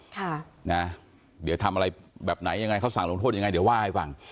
ค่ะนะเดี๋ยวทำอะไรแบบไหนยังไงเขาสั่งลงโทษยังไงเดี๋ยวว่าให้ฟัง